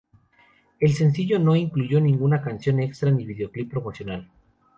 El sencillo no incluyó ninguna canción extra ni videoclip promocional.